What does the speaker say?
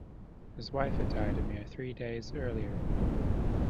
His wife had died a mere three days earlier.